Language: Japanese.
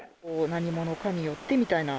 何者かによってみたいな。